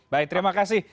baik terima kasih